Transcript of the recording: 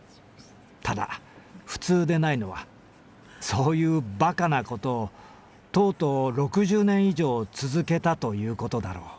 ただ普通でないのはそういうバカなことをとうとう六十年以上つづけたということだろう。